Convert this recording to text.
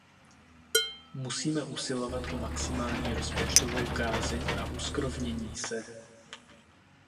Musíme usilovat o maximální rozpočtovou kázeň a uskrovnění se.